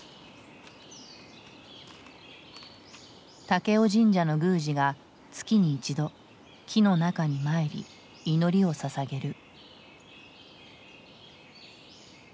武雄神社の宮司が月に一度木の中に参り祈りをささげる。